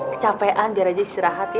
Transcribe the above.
kecapean biar aja istirahat ya